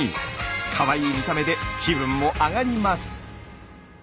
かわいい見た目で気分も上がります。